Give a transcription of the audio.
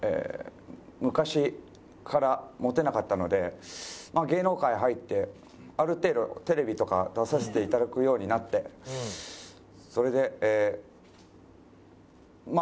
昔からモテなかったのでまあ芸能界入ってある程度テレビとか出させていただくようになってそれでええーま